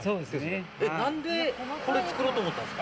何でこれを作ろうと思ったんですか？